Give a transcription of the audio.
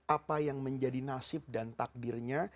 apa yang menjadi nasib dan takdirnya